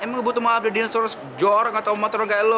emang gue butuh maaf dari dia yang suruh jorok atau omotron kayak lo